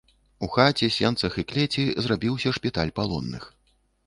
У хаце, сенцах і клеці зрабіўся шпіталь палонных.